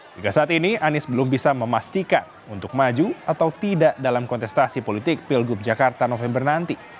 hingga saat ini anies belum bisa memastikan untuk maju atau tidak dalam kontestasi politik pilgub jakarta november nanti